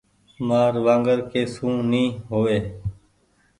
مآر وانگر ڪي سون ني هووي۔